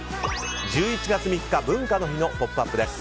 １１月３日文化の日の「ポップＵＰ！」です。